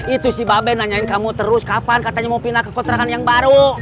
itu si babe nanyain kamu terus kapan katanya mau pindah ke kontrakan yang baru